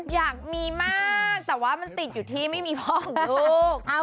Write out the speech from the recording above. อยากมีมากแต่ว่ามันติดอยู่ที่ไม่มีพ่อของลูก